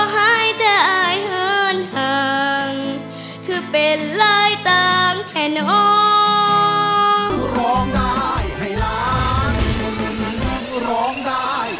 เห็นออกได้ไหมละ